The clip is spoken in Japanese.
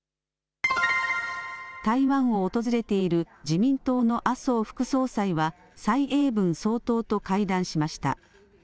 台湾を訪れている自民党の麻生副総裁は蔡英文総統と会談しました。